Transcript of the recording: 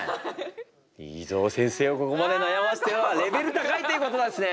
いいぞ先生をここまで悩ますというのはレベル高いということなんですね。